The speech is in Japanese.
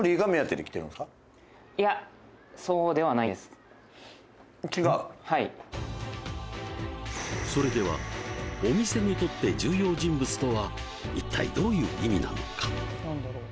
いやはいそれではお店にとって重要人物とは一体どういう意味なのか？